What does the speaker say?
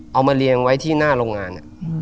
เอามาเรียงไว้ที่หน้าโรงงาน